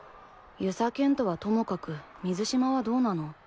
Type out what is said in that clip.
遊佐賢人はともかく水嶋はどうなの？